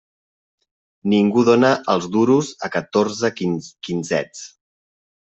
Ningú dóna els duros a catorze quinzets.